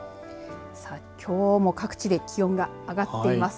きょうも各地で気温が上がっています。